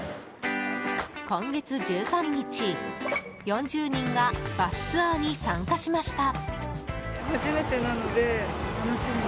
今月１３日、４０人がバスツアーに参加しました。